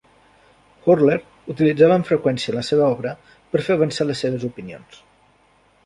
Horler utilitzava amb freqüència la seva obra per fer avançar les seves opinions.